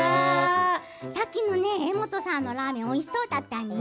さっきの柄本さんのラーメンおいしそうだったね。